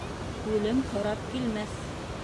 Үлем һорап килмәҫ.